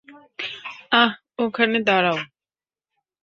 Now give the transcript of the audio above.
আহ, ওখানে দাঁড়াও।